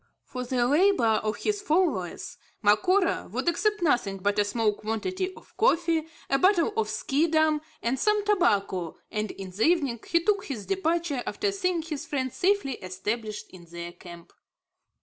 For the labour of his followers Macora would accept nothing but a small quantity of coffee, a bottle of Schiedam and some tobacco, and in the evening he took his departure, after seeing his friends safely established in their camp.